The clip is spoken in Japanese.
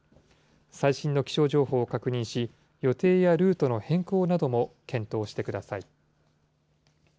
最新の気象情報を確認し、予定やルートの変更なども検討してください。